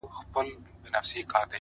د توري شپې سره خوبونه هېرولاى نه ســم؛